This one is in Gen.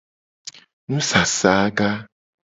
Nusasaga.